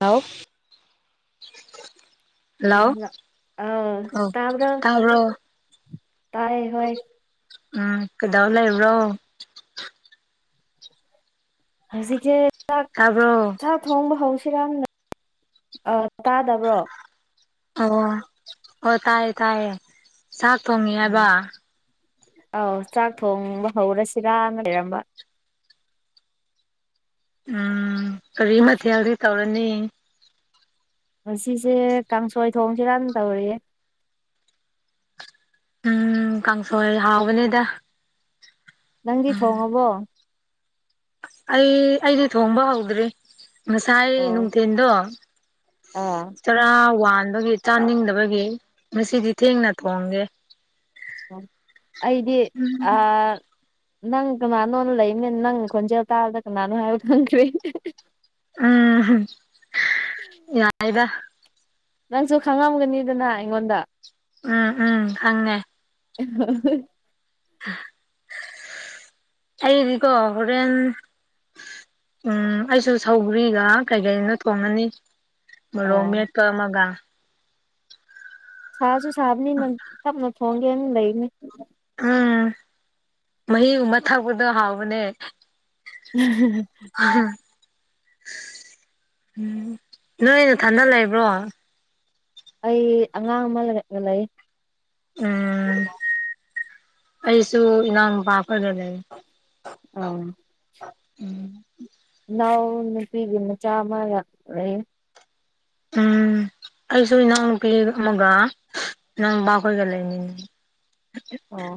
ꯂꯥꯎ ꯑ ꯇꯕꯔꯣ ꯇꯥꯕ꯭ꯔꯣ ꯇꯥꯏ ꯍꯣꯏ ꯎꯝ ꯀꯗꯧ ꯂꯩꯕꯔꯣ ꯍꯧꯖꯤꯛ ꯆꯥꯛ ꯇꯥꯕ꯭ꯔꯣ ꯆꯥꯛ ꯊꯣꯡꯕ ꯍꯧꯁꯤꯔ ꯇꯥꯗꯕ꯭ꯔꯣ ꯑꯣ ꯑꯣ ꯇꯥꯏꯌꯦ ꯇꯥꯏꯌꯦ ꯆꯥꯛ ꯊꯣꯡꯉꯦ ꯍꯥꯏꯕ ꯎꯝ ꯑꯧ ꯆꯥꯛ ꯊꯣꯡꯕ ꯍꯧꯔꯁꯤꯔꯅ ꯂꯩꯔꯝꯕ ꯎꯝ ꯀꯔꯤ ꯃꯊꯦꯜꯗꯤ ꯇꯧꯔꯅꯤ ꯑꯁꯤꯁꯦ ꯀꯥꯡꯁꯣꯏ ꯊꯣꯡꯁꯤꯔꯥꯟ ꯇꯧꯔꯤꯑ ꯎꯝ ꯀꯥꯡꯁꯣꯏ ꯍꯥꯎꯕꯅꯦꯗ ꯅꯪꯒꯤ ꯊꯣꯡꯉꯕꯣ ꯑꯩ ꯑꯩꯗꯤ ꯊꯣꯡꯕ ꯍꯧꯗ꯭ꯔꯤ ꯉꯁꯥꯏ ꯑꯣ ꯅꯨꯡꯊꯤꯟꯗꯣ ꯑꯥ ꯇꯔꯥ ꯋꯥꯟꯕꯒꯤ ꯆꯥꯅꯤꯡꯗꯕꯒꯤ ꯉꯁꯤꯗꯤ ꯊꯦꯡꯅ ꯊꯣꯡꯒꯦ ꯑꯩꯗꯤ ꯑ ꯅꯪ ꯀꯅꯥꯅꯣꯅ ꯂꯩꯕꯅꯤꯅ ꯅꯪ ꯈꯣꯟꯖꯦꯜ ꯇꯥꯕꯗ ꯀꯅꯥꯅꯣ ꯍꯥꯏꯕ ꯈꯪꯗꯦ ꯎꯝ ꯌꯥꯏꯗ ꯅꯪꯁꯨ ꯈꯪꯉꯝꯒꯅꯤꯗꯅ ꯑꯩꯉꯣꯟꯗ ꯎꯝ ꯎꯝ ꯈꯪꯉꯦ [unintelligible] ꯑꯩꯗꯤꯀꯣ ꯍꯣꯔꯦꯟ ꯎꯝ ꯑꯩꯁꯨ ꯁꯧꯒ꯭ꯔꯤꯒ ꯀꯩ ꯀꯩꯅꯣ ꯊꯣꯡꯉꯅꯤ ꯃꯣꯔꯣ ꯑꯣ ꯃꯦꯠꯄ ꯑꯃꯒ ꯁꯥꯁꯨ ꯁꯥꯕꯅꯤ ꯅꯪ ꯇꯞꯅ ꯊꯣꯡꯒꯦꯅ ꯂꯩꯅꯤ ꯎꯝ ꯃꯍꯤꯒꯨꯝꯕ ꯊꯛꯄꯗꯣ ꯍꯥꯎꯕꯅꯦ [unintelligible] ꯎꯝ ꯅꯣꯏ ꯅꯊꯥꯗ ꯂꯩꯕ꯭ꯔꯣ ꯑꯩ ꯑꯉꯥꯡ ꯑꯃ ꯂꯩꯔꯛꯅ ꯂꯩ ꯎꯝ ꯑꯩꯁꯨ ꯏꯅꯥꯄꯥꯈꯗ ꯂꯩ ꯑꯣ ꯎꯝ ꯏꯅꯥꯎ ꯅꯨꯄꯤꯒꯤ ꯃꯆꯥ ꯑꯃ ꯂꯩ ꯎꯝ ꯑꯩꯁꯨ ꯏꯅꯥꯎꯅꯨꯄꯤ ꯑꯃꯒ ꯏꯅꯥꯎꯅꯨꯄꯥ ꯈꯣꯏꯒ ꯂꯩꯃꯤꯅꯦ [unintelligible] ꯑꯣ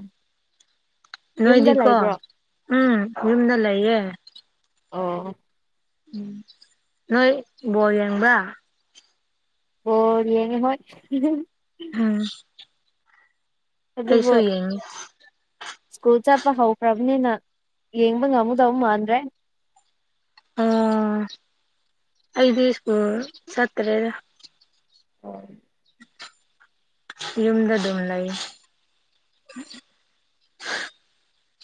ꯌꯨꯝꯗ ꯅꯣꯏꯗꯤꯀꯣ ꯂꯩꯕ꯭ꯔꯣ ꯎꯝ ꯌꯨꯝꯗ ꯂꯩꯌꯦ ꯑꯣ ꯎꯝ ꯅꯣꯏ ꯕꯣꯜ ꯌꯦꯡꯕ꯭ꯔ ꯕꯣꯜ ꯌꯦꯡꯉꯦ ꯍꯣꯏ [unintelligible] ꯑꯩꯁꯨ ꯑꯗꯨꯕꯨ ꯌꯦꯡꯉꯤ ꯁ꯭ꯀꯨꯜ ꯆꯠꯄ ꯍꯧꯈ꯭ꯔꯕꯅꯤꯅ ꯌꯦꯡꯕ ꯉꯝꯃꯨꯗꯧ ꯃꯥꯟꯗ꯭ꯔꯦ ꯑꯣ ꯑꯩꯗꯤ ꯁ꯭ꯀꯨꯜ ꯆꯠꯇꯔꯦꯗ [unintelligible] ꯌꯨꯝꯗ ꯗꯨꯝ ꯂꯩ [unintelligible]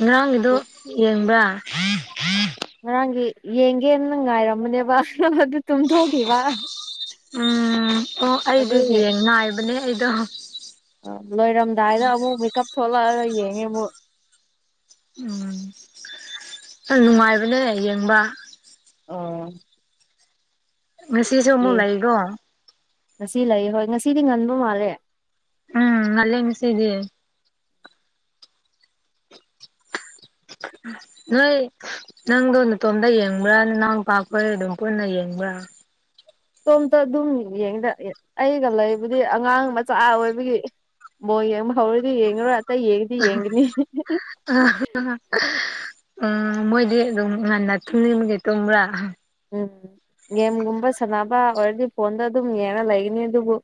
ꯉꯔꯥꯡꯒꯤꯗꯣ ꯌꯦꯡꯕ꯭ꯔꯥ ꯉꯔꯥꯡꯒꯤ ꯌꯦꯡꯒꯦꯅ ꯉꯥꯏꯔꯝꯕꯅꯦꯕ ꯑꯗꯨ ꯇꯨꯝꯊꯣꯛꯈꯤꯕ ꯎꯝ ꯑꯣ ꯑꯩꯗꯤ ꯑꯗꯨꯒꯤ ꯌꯦꯡ ꯉꯥꯏꯕꯅꯦ ꯑꯩꯗꯣ ꯂꯣꯏꯔꯝꯗꯥꯏꯗ ꯑꯃꯨꯛ ꯃꯤꯀꯞ ꯊꯣꯛꯂꯛꯑꯒ ꯌꯦꯡꯉꯦ ꯑꯃꯨꯛ ꯎꯝ ꯍꯩ ꯅꯨꯡꯉꯥꯏꯕꯅꯦ ꯌꯦꯡꯕ ꯑ ꯉꯁꯤꯁꯨ ꯑꯃꯨꯛ ꯂꯩꯒꯣ ꯉꯁꯤ ꯂꯩ ꯍꯣꯏ ꯉꯁꯤꯗꯤ ꯉꯟꯕ ꯃꯥꯜꯂꯦ ꯎꯝ ꯉꯜꯂꯦ ꯉꯁꯤꯗꯤ ꯂꯩ ꯅꯪꯗꯣ ꯅꯇꯣꯝꯇ ꯌꯦꯡꯕ꯭ꯔꯥ ꯅꯅꯥꯎ ꯅꯨꯄꯥꯈꯣꯏꯒ ꯑꯗꯨꯝ ꯄꯨꯟꯅ ꯌꯦꯡꯕ꯭ꯔꯥ ꯏꯇꯣꯝꯇ ꯑꯗꯨꯝ ꯌꯦꯡꯗ ꯑꯩꯒ ꯂꯩꯕꯨꯗꯤ ꯑꯉꯥꯡ ꯃꯆꯥ ꯑꯣꯏꯕꯒꯤ ꯕꯣꯜ ꯌꯦꯕ ꯍꯧꯔꯗꯤ ꯌꯦꯉꯔꯣꯏ ꯑꯇꯩ ꯌꯦꯡꯗꯤ ꯌꯦꯡꯒꯅꯤ ꯑ ꯎꯝ ꯃꯣꯏꯗꯤ ꯑꯗꯨꯝ ꯉꯟꯅ ꯊꯨꯝꯅꯤꯡꯕꯒꯤ ꯇꯨꯝꯕ꯭ꯔꯥ ꯎꯝ ꯒꯦꯝꯒꯨꯝꯕ ꯁꯥꯟꯅꯕ ꯑꯣꯏꯔꯗꯤ ꯐꯣꯟꯗ ꯑꯗꯨꯝ ꯌꯦꯡꯉ ꯂꯩꯒꯅꯤ ꯑꯗꯨꯕꯨ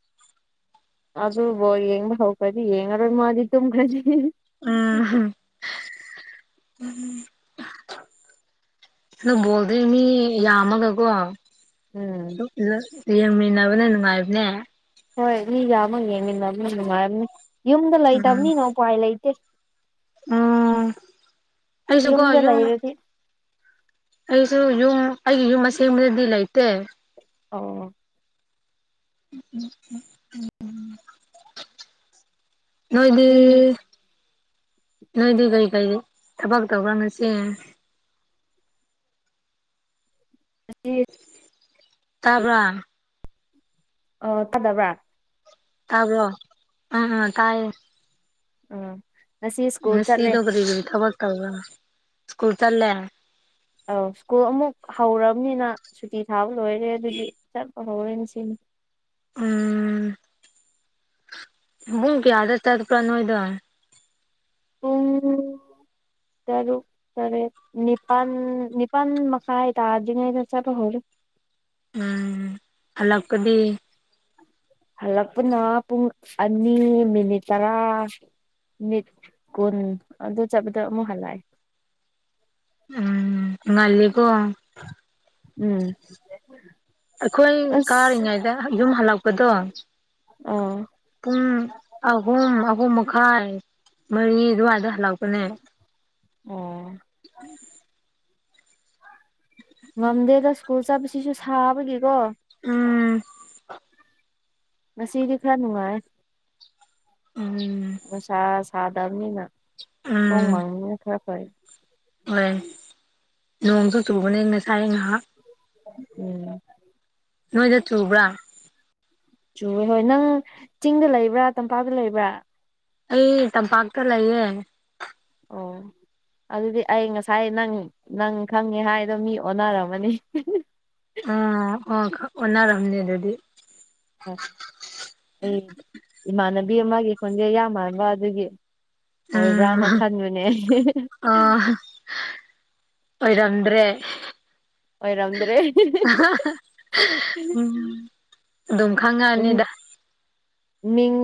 ꯑꯗꯨ ꯕꯣꯜ ꯌꯦꯡꯕ ꯍꯧꯈ꯭ꯔꯗꯤ ꯌꯦꯡꯉꯔꯣꯏ ꯃꯥꯗꯤ ꯇꯨꯝꯈ꯭ꯔꯅꯤ ꯎꯝ ꯑꯗꯣ ꯕꯣꯜꯗꯤ ꯃꯤ ꯌꯥꯝꯃꯒꯀꯣ ꯎꯝ ꯌꯦꯡꯃꯤꯟꯅꯕꯅ ꯅꯨꯡꯉꯥꯏꯕꯅꯦ ꯍꯣꯏ ꯃꯤ ꯌꯥꯝꯃꯒ ꯌꯦꯡꯃꯤꯟꯅꯕꯅ ꯅꯨꯡꯉꯥꯏꯔꯝꯅꯤ ꯌꯨꯝꯗ ꯂꯩꯇꯕꯅꯤꯅ ꯎꯄꯥꯏ ꯂꯩꯇꯦ ꯎꯝ ꯑꯩꯁꯨ ꯀꯣ ꯌꯨꯝꯗ ꯌꯨꯝ ꯂꯩꯔꯗꯤ ꯑꯩꯁꯨ ꯌꯨꯝ ꯑꯩꯒꯤ ꯌꯨꯝ ꯑꯁꯦꯡꯕꯗꯗꯤ ꯂꯩꯇꯦ ꯑꯧ ꯅꯣꯏꯗꯤ ꯌꯨꯝ ꯅꯣꯏꯗꯤ ꯀꯔꯤ ꯀꯔꯤ ꯊꯕꯛ ꯇꯧ꯭ꯔ ꯉꯁꯤ ꯉꯁꯤ ꯇꯥꯕꯔ ꯑ ꯇꯥꯗꯕ꯭ꯔꯥ ꯇꯥꯕꯔꯣ ꯑ ꯑ ꯇꯥꯏꯌꯦ ꯎꯝ ꯉꯁꯤ ꯁ꯭ꯀꯨꯜ ꯆꯠꯂꯦ ꯉꯁꯤꯗꯣ ꯀꯔꯤ ꯀꯔꯤ ꯊꯕꯛ ꯇꯧꯒ ꯁ꯭ꯀꯨꯜ ꯆꯠꯂꯦ ꯑꯧ ꯁ꯭ꯀꯨꯜ ꯑꯃꯨꯛ ꯍꯧꯔꯕꯅꯤꯅ ꯁꯨꯇꯤ ꯊꯥꯕ ꯂꯣꯏꯔꯦ ꯑꯗꯨꯗꯤ ꯆꯠꯄ ꯍꯧꯔꯦꯅꯦ ꯉꯁꯤ ꯅꯤ ꯎꯝ ꯄꯨꯡ ꯀꯌꯥꯗ ꯆꯠꯄ꯭ꯔꯥ ꯅꯣꯏꯗꯣ ꯄꯨꯡ ꯇꯔꯨꯛ ꯇꯔꯦ ꯅꯤꯄꯥꯟ ꯅꯤꯄꯥꯟ ꯃꯈꯥꯏ ꯇꯥꯗ꯭ꯔꯤ ꯉꯩꯗ ꯆꯠꯄ ꯍꯧꯔꯦ ꯎꯝ ꯍꯜꯂꯛꯄꯗꯤ ꯍꯜꯂꯛꯄꯅ ꯄꯨꯡ ꯑꯅꯤ ꯃꯤꯅꯤꯠ ꯇꯔꯥ ꯅꯤꯠ ꯀꯨꯟ ꯑꯗꯨ ꯆꯠꯄꯗ ꯑꯃꯨꯛ ꯍꯜꯂꯛꯑꯦ ꯎꯝ ꯉꯜꯂꯤꯀꯣ ꯎꯝ ꯑꯩꯈꯣꯏ ꯑꯁ ꯀꯥꯔꯤꯉꯩꯗ ꯌꯨꯝ ꯍꯜꯂꯛꯄꯗꯣ ꯄꯨꯡ ꯑꯍꯨꯝ ꯑꯍꯨꯝ ꯃꯛ ꯈꯥꯏ ꯃꯔꯤ ꯑꯗꯨꯋꯥꯏꯗ ꯍꯜꯂꯛꯄꯅꯦ ꯑꯣ [inaudible] ꯉꯝꯗꯦꯗ ꯁ꯭ꯀꯨꯜ ꯆꯠꯄꯕꯁꯤꯁꯨ ꯁꯥꯕꯒꯤꯀꯣ ꯎꯝ ꯉꯁꯤꯗꯤ ꯈꯔ ꯅꯨꯡꯉꯥꯏ ꯎꯝ ꯅꯨꯡꯁꯥ ꯁꯥꯗꯕꯅꯤꯅ ꯅꯣꯡ ꯎꯝ ꯃꯪꯅꯤꯅ ꯈꯔ ꯐꯩ ꯍꯣꯏ ꯅꯣꯡꯁꯨ ꯆꯨꯕꯅꯦ ꯉꯁꯥꯏ ꯉꯥꯏꯍꯥꯛ ꯎꯝ ꯅꯣꯏꯗ ꯆꯨꯕ꯭ꯔꯥ ꯆꯨꯔꯦ ꯍꯣꯏ ꯅꯪ ꯆꯤꯡꯗ ꯂꯩꯕ꯭ꯔꯥ ꯇꯝꯄꯥꯛꯇ ꯂꯩꯕ꯭ꯔꯥ ꯑꯩ ꯇꯝꯄꯥꯛꯇ ꯂꯩꯌꯦ ꯑꯣ ꯑꯗꯨꯗꯤ ꯑꯩ ꯉꯁꯥꯏ ꯅꯪ ꯅꯪ ꯈꯪꯉꯦ ꯍꯥꯏꯗꯣ ꯃꯤ ꯑꯣꯟꯅꯔꯝꯃꯅꯤ ꯎꯝ ꯑꯣ ꯑꯣꯟꯅꯔꯝꯅꯦ ꯑꯗꯨꯗꯤ ꯑꯩ ꯏꯃꯥꯟꯅꯕꯤ ꯑꯃꯒꯤ ꯈꯣꯟꯖꯦ ꯌꯥꯝ ꯃꯥꯟꯕ ꯑꯗꯨꯒꯤ ꯑꯣꯏꯕ꯭ꯔꯥꯅ ꯎꯝ ꯈꯟꯕꯅꯦ ꯑ ꯑꯣꯏꯔꯝꯗ꯭ꯔꯦ ꯑꯣꯏꯔꯝꯗ꯭ꯔꯦ ꯎꯝ ꯑꯗꯨꯝ ꯈꯪꯉꯑꯅꯤꯗ ꯃꯤꯡ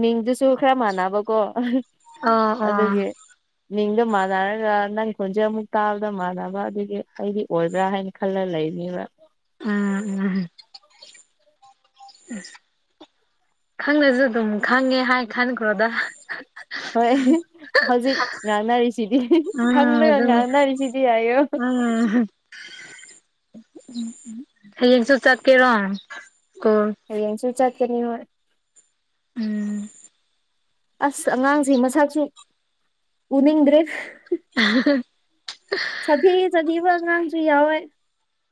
ꯃꯤꯡꯗꯨꯁꯨ ꯈꯔ ꯃꯥꯟꯅꯕꯀꯣ ꯑꯣ ꯑꯣ ꯑꯗꯨꯒꯤ ꯃꯤꯡꯗ ꯃꯥꯟꯅꯔꯒ ꯅꯪ ꯈꯣꯟꯖꯦꯜ ꯑꯃꯨꯛ ꯇꯥꯕꯗ ꯃꯥꯟꯅꯕ ꯑꯗꯨꯒꯤ ꯑꯩꯗꯤ ꯑꯣꯏꯕ꯭ꯔꯥ ꯍꯥꯏ ꯈꯜꯂ ꯂꯩꯅꯤꯕ ꯎꯝ ꯎꯝ ꯈꯪꯗꯁꯨ ꯑꯗꯨꯝ ꯈꯪꯉꯦ ꯍꯥꯏ ꯈꯟꯈ꯭ꯔꯣꯗ ꯍꯣꯏ ꯍꯧꯖꯤꯛ ꯉꯥꯡꯅꯔꯤꯁꯤꯗꯤ ꯎꯝ ꯈꯪꯂꯒ ꯑꯗꯨꯅꯦ ꯉꯥꯡꯅꯔꯤꯁꯤꯗꯤ ꯍꯥꯏꯌꯣ ꯎꯝ ꯎ ꯍꯌꯦꯡꯁꯨ ꯆꯠꯀꯦꯔꯣ ꯁ꯭ꯀꯨꯜ ꯍꯌꯦꯡꯁꯨꯨ ꯆꯠꯀꯅꯤ ꯍꯣꯏ ꯎꯝ ꯑꯁ ꯑꯉꯥꯡꯁꯦ ꯃꯁꯥꯁꯨ ꯎꯅꯤꯡꯗ꯭ꯔꯤ [unintelligible] ꯁꯗꯤ ꯁꯗꯤꯕ ꯑꯉꯥꯡꯁꯨ ꯌꯧꯋꯦ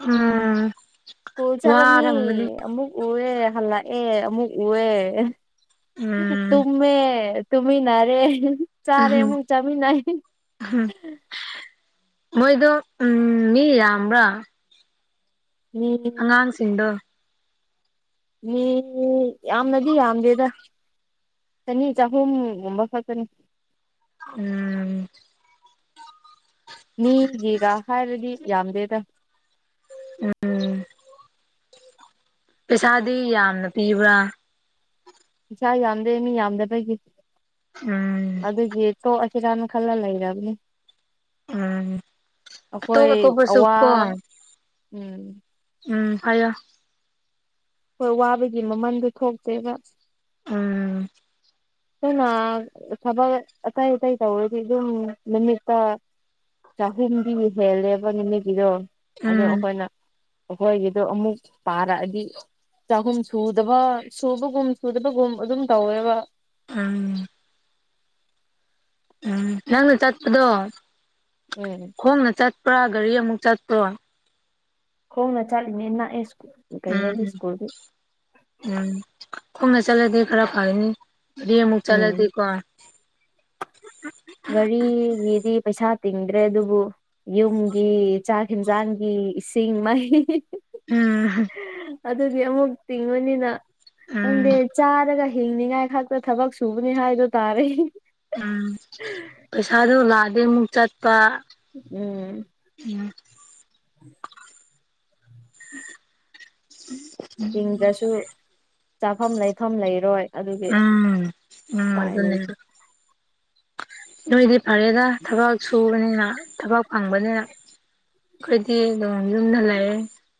ꯎꯝ ꯁ꯭ꯀꯨꯜ ꯆꯂꯅꯤ ꯋꯥꯔꯝꯒꯅꯤ ꯑꯃꯨꯛ ꯎꯋꯦ ꯍꯜꯂꯛꯑꯦ ꯑꯃꯨꯛ ꯎꯋꯦ ꯎꯝ ꯇꯨꯝꯃꯦ ꯇꯨꯃꯤꯟꯅꯔꯦ ꯆꯥꯔꯦ ꯑꯃꯨꯛ ꯆꯥꯃꯤꯟꯅꯩ ꯃꯣꯏꯗꯣ ꯎꯝ ꯃꯤ ꯌꯥꯝꯕꯔ ꯃꯤ ꯑꯉꯥꯡꯁꯤꯡꯗꯣ ꯃꯤ ꯌꯥꯝꯅꯗꯤ ꯌꯥꯝꯗꯦꯗ ꯆꯅꯤ ꯆꯍꯨꯝꯒꯨꯝꯕ ꯈꯛꯇꯅꯤ ꯎꯝ ꯎꯝ ꯃꯤꯒꯤꯒ ꯍꯥꯏꯔꯗꯤ ꯌꯥꯝꯗꯦꯗ ꯎꯝ ꯄꯩꯁꯥꯗꯤ ꯌꯥꯝꯅ ꯄꯤꯕ꯭ꯔꯥ ꯏꯆꯥ ꯌꯥꯝꯗꯦ ꯃꯤ ꯌꯥꯝꯗꯕꯒꯤ ꯎꯝ ꯑꯗꯨꯒꯤ ꯇꯣ ꯑꯁꯤ ꯔꯅ ꯈꯂ ꯂꯩꯔꯕꯅꯤ ꯎꯝ ꯑꯇꯣꯞ ꯑꯩꯈꯣꯏ ꯑꯇꯣꯞꯄꯁꯨ ꯑꯋꯥ ꯀꯣ ꯎꯝ ꯎꯝ ꯍꯥꯏꯌ‌ꯣ ꯍꯣꯏ ꯋꯥꯕꯒꯤ ꯃꯃꯟꯗꯨ ꯊꯣꯛꯇꯦꯕ ꯎꯝ ꯑꯗꯨꯅ ꯊꯕꯛ ꯑꯇꯩ ꯑꯇꯩ ꯇꯧꯔꯗꯤ ꯑꯗꯨꯝ ꯅꯨꯃꯤꯠꯇ ꯆꯍꯨꯝꯗꯤꯕꯨ ꯍꯦꯜꯂꯦꯕ ꯅꯨꯃꯤꯠꯀꯤꯗꯣ ꯑꯗꯨ ꯎꯝ ꯑꯩꯈꯣꯏꯅ ꯑꯩꯈꯣꯏꯒꯤꯗꯣ ꯑꯃꯨꯛ ꯄꯥꯔꯛꯑꯗꯤ ꯆꯍꯨꯝ ꯁꯨꯗꯕ ꯁꯨꯕꯒꯨꯝ ꯁꯨꯗꯕꯒꯨꯝ ꯑꯗꯨꯝ ꯇꯧꯋꯦꯕ ꯎꯝ ꯎꯝ ꯅꯪꯅ ꯆꯠꯄꯗꯣ ꯎꯝ ꯈꯣꯡꯅ ꯆꯠꯄ꯭ꯔꯥ ꯒꯥꯔꯤ ꯑꯃꯨꯛ ꯆꯠꯄ꯭ꯔꯣ ꯈ‌ꯣꯡꯅ ꯆꯠꯂꯤꯅꯦ ꯅꯛꯑꯦ ꯁ꯭ꯀꯨꯜ ꯀꯩꯅꯣꯗꯤ ꯎꯝ ꯁ꯭ꯀꯨꯜꯗꯤ ꯎꯝ ꯈꯣꯡꯅ ꯆꯠꯂꯗꯤ ꯈꯔ ꯐꯅꯤ ꯁꯤꯗꯩ ꯑꯃꯨꯛ ꯎꯝ ꯆꯠꯂꯗꯤꯀꯣ ꯒꯥꯔꯤꯒꯤꯗꯤ ꯄꯩꯁꯥ ꯇꯤꯡꯗ꯭ꯔꯦ ꯑꯗꯨꯕꯨ ꯌꯨꯝꯒꯤ ꯆꯥꯛ ꯍꯦꯟꯖꯥꯡꯒꯤ ꯏꯁꯤꯡ ꯃꯩ ꯎꯝ ꯑꯗꯨꯗꯤ ꯑꯃꯨꯛ ꯇꯤꯡꯉꯨꯅꯤꯅ ꯎꯝ ꯈꯪꯗꯦ ꯆꯥꯔꯒ ꯍꯤꯡꯅꯤꯉꯥꯏ ꯈꯛꯇ ꯊꯕꯛ ꯁꯨꯕꯅꯤ ꯍꯥꯏꯗꯣ ꯇꯥꯔ‌ꯦ ꯎꯝ ꯄꯩꯁꯥꯗꯨ ꯂꯥꯛꯑꯗꯤ ꯑꯃꯨꯛ ꯆꯠꯄ ꯎꯝ ꯌꯥ [inaudible] ꯎ [inaudible] ꯇꯤꯡꯗ꯭ꯔꯁꯨ ꯆꯥꯐꯝ ꯂꯩꯐꯝ ꯂꯩꯔꯣꯏ ꯑꯗꯨꯒꯤ ꯎꯝ ꯎꯝ ꯎꯄꯥꯏ ꯑꯗꯨꯅꯤ [unintelligible] ꯅꯣꯏꯗꯤ ꯐꯔꯦꯗ ꯊꯕꯛ ꯁꯨꯕꯅꯤꯅ ꯊꯕꯛ ꯐꯪꯕꯅꯤꯅ ꯑꯩꯈꯣꯏꯗꯤ ꯑꯗꯨ ꯌꯨꯝꯗ ꯂꯩꯑꯦ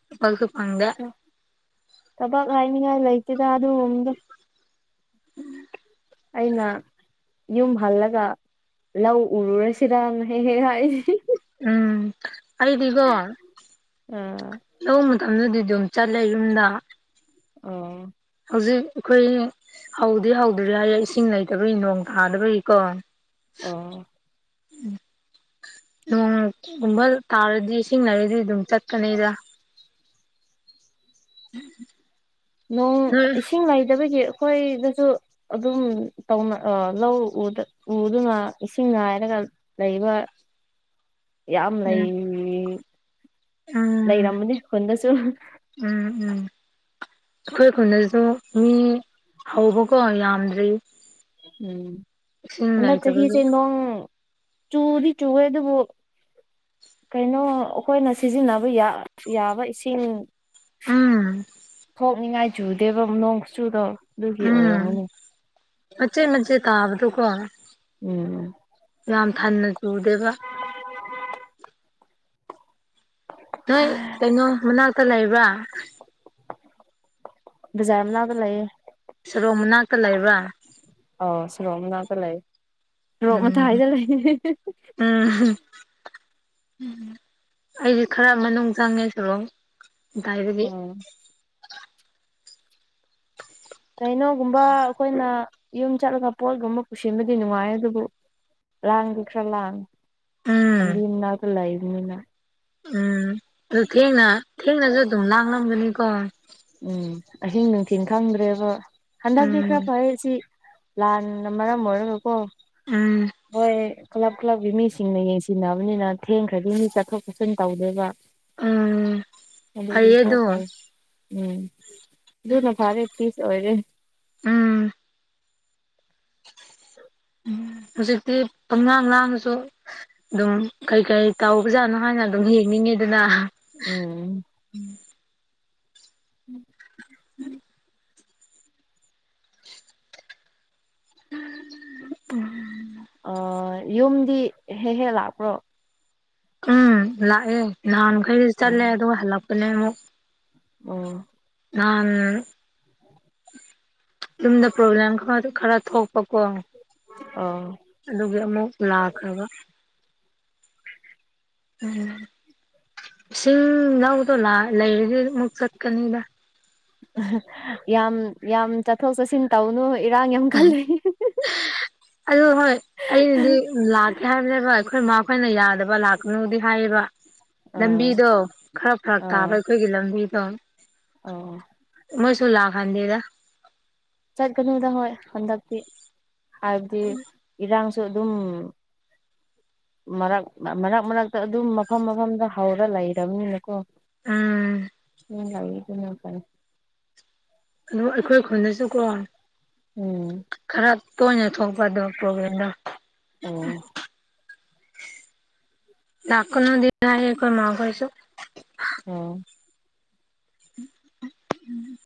ꯊꯕꯛꯁꯨ ꯐꯪꯗꯦ ꯇꯕ [unintelligible] ꯀꯥꯏꯅꯤꯒꯥꯏ ꯂꯩꯇꯗ ꯑꯗꯨ ꯒꯨꯝꯗꯤ ꯎꯝ [inaudible] ꯑꯩꯅ ꯌꯨꯝ ꯍꯜꯂꯒ ꯂꯧ ꯎꯔꯨꯔꯁꯤꯔꯅ ꯍꯦꯛ ꯍꯦꯛ ꯍꯥꯏꯁꯤ ꯎꯝ ꯑꯩꯗꯤꯀ‌ꯣ ꯑ ꯂꯧꯕ ꯃꯇꯝꯗꯗꯤ ꯑꯗꯨꯝ ꯆꯠꯂꯦ ꯌꯨꯝꯗ ꯑꯣ ꯍꯧꯖꯤꯛ ꯑꯩꯈꯣꯏ ꯍꯧꯗꯤ ꯍꯧꯗ꯭ꯔꯤ ꯍꯥꯏꯌꯦ ꯏꯁꯤꯡ ꯂꯩꯇꯕꯒꯤ ꯅꯣꯡ ꯇꯥꯗꯕꯒꯤꯀꯣ ꯑꯣ [unintelligible] ꯅꯣꯡꯒꯨꯝꯕ ꯇꯥꯔꯗꯤ ꯏꯁꯤꯡ ꯂꯩꯔꯗꯤ ꯑꯗꯨꯝ ꯆꯠꯀꯅꯤꯗ ꯎꯝ ꯅꯣꯡ ꯏꯁꯤꯡ ꯂꯩꯇꯕꯒꯤ ꯑꯩꯈꯣꯏꯗꯁꯨ ꯑꯗꯨꯝ ꯇꯧꯅ ꯂꯧ ꯎꯗꯨꯅ ꯏꯁꯤꯡ ꯉꯥꯏꯔꯒ ꯂꯩꯕ ꯌꯥꯝ ꯎꯝ ꯂꯩꯔꯤ ꯎꯝ ꯂꯩꯔꯃꯅꯦ ꯈꯨꯟꯗꯁꯨ ꯎꯝ ꯎꯝ ꯑꯩꯈꯣꯏ ꯈꯨꯟꯗꯁꯨ ꯃꯤ ꯍꯧꯕꯀꯣ ꯌꯥꯝꯗ꯭ꯔꯤ ꯎꯝ ꯏꯁꯤꯡ ꯍꯟꯗꯛ ꯆꯍꯤꯁꯦ ꯂꯩꯇꯕꯒꯤ ꯅꯣꯡ ꯆꯨꯗꯤ ꯆꯨꯒꯦ ꯑꯗꯨꯕꯨ ꯀꯩꯅꯣ ꯑꯩꯈꯣꯏꯅ ꯁꯤꯖꯤꯟꯅꯕ ꯌꯥꯕ ꯏꯁꯤꯡ ꯎꯝ ꯀꯣꯛꯅꯤꯡꯉꯥꯏ ꯆꯨꯗꯦꯕ ꯅꯣꯡ ꯆꯨꯗꯣ ꯑꯗꯨꯒꯤ ꯎꯝ ꯑꯣꯏꯔꯝꯃꯨꯅꯦ ꯃꯆꯦꯠ ꯃꯆꯦꯠ ꯇꯥꯕꯗꯨꯀꯣ ꯎꯝ ꯌꯥꯝ ꯊꯟꯅ ꯆꯨꯗꯦꯕ [unintelligible] ꯅꯣꯏ ꯀꯩꯅꯣ ꯃꯅꯥꯛꯇ ꯂꯩꯕ꯭ꯔꯥ ꯕꯖꯥ ꯃꯅꯥꯗ ꯂꯩꯌꯦ ꯁꯔꯣꯡ ꯃꯅꯥꯛꯇ ꯂꯩꯕ꯭ꯔꯥ ꯑ ꯁꯔꯣꯡꯅꯥꯇ ꯂꯩ ꯁꯔꯣꯡ ꯃ ꯊꯥꯏꯗ ꯂꯩ ꯎꯝ ꯎꯝ ꯑꯩꯗꯤ ꯈꯔ ꯃꯅꯨꯡ ꯆꯪꯉꯦ ꯁꯨꯔꯣꯡ ꯇꯥꯏꯕꯔꯤ ꯎꯝ ꯀꯩꯅꯣꯒꯨꯝꯕ ꯑꯩꯈꯣꯏꯅ ꯌꯨꯝ ꯆꯠꯂꯒ ꯄꯣꯠꯒꯨꯝꯕ ꯄꯨꯁꯤꯟꯕꯗꯤ ꯅꯨꯡꯉꯥꯏ ꯑꯗꯨꯕꯨ ꯂꯥꯡꯗꯤ ꯈꯔ ꯂꯥꯡ ꯎꯝ ꯌꯥꯝꯕꯤ ꯏꯟꯅ ꯀ ꯂ ꯏꯅꯤꯅ ꯎꯝ ꯑꯗꯨ ꯊꯦꯡꯅ ꯊꯦꯡꯅꯁꯨ ꯑꯗꯨꯝ ꯂꯥꯡꯂꯝꯒꯅꯤꯀꯣ ꯎꯝ ꯑꯍꯤꯡ ꯅꯨꯡꯊꯤꯜ ꯈꯪꯗ꯭ꯔꯦꯕ ꯍꯟꯗꯛꯇꯤ ꯎꯝ ꯈꯔ ꯐꯩ ꯁꯤ ꯂꯥꯟꯅ ꯃꯔꯝ ꯑꯣꯏꯔꯒꯀꯣ ꯎꯝ ꯍꯣꯏ ꯀ꯭ꯂꯕ ꯀ꯭ꯂꯞꯀꯤ ꯃꯤꯁꯤꯡꯅ ꯌꯦꯡꯁꯤꯟꯅꯕꯅꯤꯅ ꯊꯦꯡꯈ꯭ꯔꯗꯤ ꯃꯤ ꯆꯠꯊꯣꯛ ꯆꯠꯁꯤꯟ ꯇꯧꯗꯕ ꯎꯝ ꯐꯩꯌꯦ ꯑꯗꯨꯇ ꯑꯗꯣ ꯄꯥꯏ ꯎꯝ ꯑꯗꯨꯅ ꯐꯔꯦ ꯐꯤꯁ ꯑꯣꯏꯔꯦ ꯎꯝ ꯍꯧꯖꯤꯛꯇꯤ ꯄꯨꯝꯅꯥꯥꯡ ꯂꯥꯡꯅꯁꯨ ꯑꯗꯨꯝ ꯀꯩ ꯀꯩ ꯇꯧꯕꯖꯥꯠꯅꯣ ꯍꯥꯏꯅ ꯑꯗꯨꯝ ꯌꯦꯡꯅꯤꯡꯉꯤ ꯑꯗꯨꯅ ꯎꯝ [unintelligible] [unintelligible] [unintelligible] ꯑ ꯌꯨꯝꯗꯤ ꯍꯦꯛ ꯍꯦꯛ ꯂꯥꯛꯄ꯭ꯔꯣ ꯎꯝ ꯂꯥꯛꯑꯦ ꯅꯍꯥꯟꯃꯈꯩꯗꯤ ꯆꯠꯂꯦ ꯎꯝ ꯑꯗꯨꯒ ꯍꯜꯂꯛꯄꯅꯦ ꯑꯃꯨꯛ [unintelligible] ꯅꯥꯟ ꯌꯨꯝꯗ ꯄ꯭ꯔꯣꯕ꯭ꯂꯦꯝ ꯈꯔ ꯊꯣꯛꯄꯀꯣ ꯑꯣ ꯑꯗꯨꯒꯤ ꯑꯃꯨꯛ ꯂꯥꯛꯈ꯭ꯔꯕ ꯎꯝ ꯏꯁꯤꯡꯅꯥꯎꯗꯣ ꯂꯩꯔꯗꯤ ꯑꯃꯨꯛ ꯆꯠꯀꯅꯤꯗ ꯌꯥꯝ ꯌꯥꯝ ꯆꯠꯊꯣꯛ ꯆꯠꯁꯤꯟ ꯇꯧꯅꯨ ꯏꯔꯥꯡ ꯌꯥꯝ ꯈꯜꯂ ꯑꯗꯨ ꯍꯣꯏ ꯑꯩꯅꯗꯤ ꯂꯥꯛꯀꯦ ꯍꯥꯏꯕꯅꯦꯕ ꯑꯩꯈꯣꯏ ꯃꯥꯈꯣꯏꯅ ꯌꯥꯗꯕ ꯂꯥꯛꯀꯅꯨꯗꯤ ꯍꯥꯏꯌꯦꯕ ꯑꯥ ꯂꯝꯕꯤꯗꯣ ꯈꯔ ꯐꯔꯛ ꯇꯥꯕ ꯑꯥ ꯑꯩꯈꯣꯏꯒꯤ ꯂꯝꯕꯤꯗꯣ ꯑꯣ ꯃꯣꯏꯁꯨꯨꯂꯥ ꯈꯥꯟꯗꯦꯗ ꯆꯠꯀꯅꯨꯗ ꯍꯣꯏ ꯍꯟꯗꯛꯇꯤ ꯍꯥꯏꯕꯗꯤ ꯏꯔꯥꯡꯁꯨ ꯑꯗꯨꯝ ꯃꯔꯛ ꯃꯔꯛ ꯃꯔꯛꯇ ꯑꯗꯨꯝ ꯃꯐꯝ ꯃꯐꯝꯗ ꯍꯧꯔ ꯂꯩꯔꯕꯅꯤꯅꯀꯣ ꯎꯝ ꯎ ꯂꯩꯗꯨ ꯅ ꯀ ꯑꯗꯣ ꯑꯩꯈꯣꯏ ꯈꯨꯟꯗꯁꯨꯀꯣ ꯎꯝ ꯈꯔ ꯇ ꯅ ꯊꯣꯛꯄꯗ ꯄꯣꯕꯂꯦꯝꯗ ꯑꯣ ꯗꯥꯛ ꯀꯅꯗꯤ ꯊꯦ ꯀꯣꯏ ꯃꯥ ꯀꯁꯨ [unintelligible] [unintelligible]